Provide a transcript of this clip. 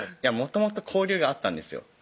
もともと交流があったんですよ